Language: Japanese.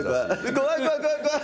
怖い怖い怖い怖い。